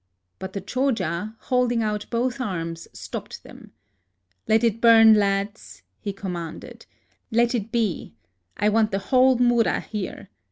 But the Choja, holding out both arms, stopped them. " Let it burn, lads !" he commanded, —" let it be ! I want the whole mura here.